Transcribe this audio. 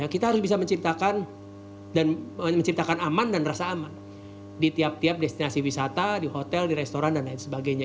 kita harus bisa menciptakan dan menciptakan aman dan rasa aman di tiap tiap destinasi wisata di hotel di restoran dan lain sebagainya